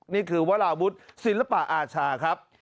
นี่คือวราวุฒิศิลปะอาชาครับ